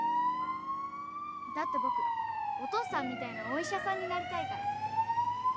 だって僕お父さんみたいなお医者さんになりたいから。